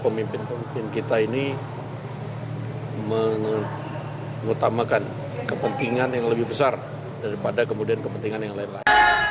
pemimpin pemimpin kita ini mengutamakan kepentingan yang lebih besar daripada kemudian kepentingan yang lain lain